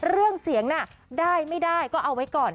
เรื่องเสียงน่ะได้ไม่ได้ก็เอาไว้ก่อน